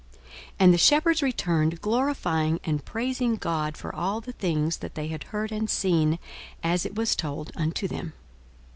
42:002:020 And the shepherds returned, glorifying and praising God for all the things that they had heard and seen, as it was told unto them.